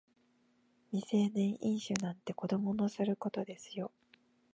未成年飲酒なんて子供のすることですよ